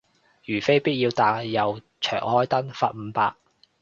如非必要但又長開燈，罰五百